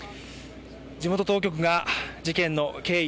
地元当局が事件の経緯